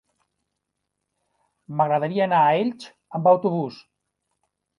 M'agradaria anar a Elx amb autobús.